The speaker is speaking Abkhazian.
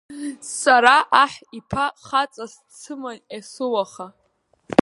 Сара аҳ иԥа хаҵас дсыман есуаха.